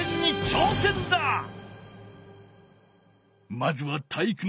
まずは体育ノ